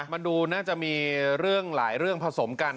มันดูน่าจะมีเรื่องหลายเรื่องผสมกัน